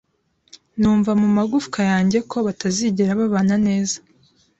Numva mumagufwa yanjye ko batazigera babana neza.